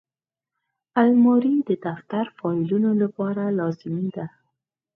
الماري د دفتر فایلونو لپاره لازمي ده